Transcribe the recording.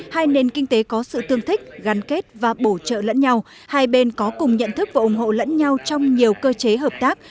hai nền kinh tế có sự tương thích gắn kết và bổ trợ lẫn nhau hai bên có cùng nhận thức và ủng hộ lẫn nhau trong nhiều cơ chế hợp tác